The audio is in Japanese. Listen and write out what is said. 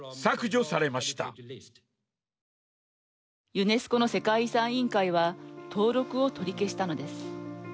ユネスコの世界遺産委員会は登録を取り消したのです。